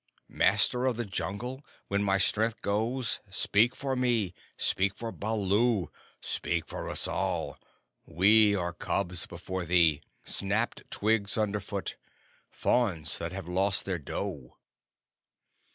Master of the Jungle, when my strength goes, speak for me speak for Baloo speak for us all! We are cubs before thee! Snapped twigs under foot! Fawns that have lost their doe!"